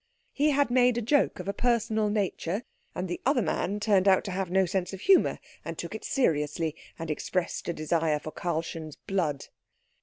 He had made a joke of a personal nature, and the other man turned out to have no sense of humour, and took it seriously, and expressed a desire for Karlchen's blood.